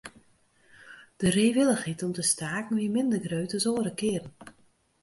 De reewillichheid om te staken wie minder grut as oare kearen.